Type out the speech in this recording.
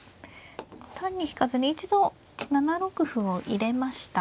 単に引かずに一度７六歩を入れました。